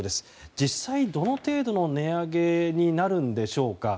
実際どの程度の値上げになるんでしょうか。